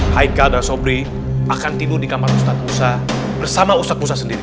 haikal dan sopri akan tidur di kamar ustadz bersama ustadz musa sendiri